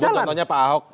walaupun contohnya pak ahok